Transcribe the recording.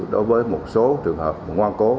đối với một số trường hợp ngoan cố